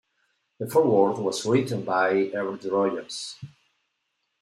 The foreword was written by Everett Rogers.